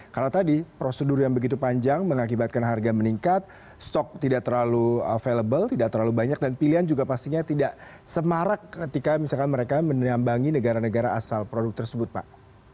karena tadi prosedur yang begitu panjang mengakibatkan harga meningkat stok tidak terlalu available tidak terlalu banyak dan pilihan juga pastinya tidak semarak ketika misalkan mereka menambangi negara negara asal produk tersebut pak